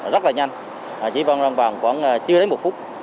rất là nhanh chỉ vang vang vang khoảng chưa đến một phút